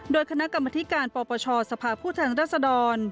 โดยคณะกรรมธิการปปชสภาพผู้แทนรัศดร